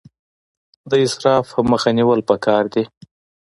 د اسراف مخه نیول پکار دي